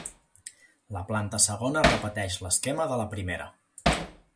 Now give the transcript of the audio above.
La planta segona repeteix l'esquema de la primera.